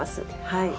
はい。